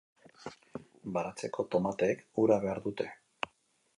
Baratzeko tomateek ura behar dute.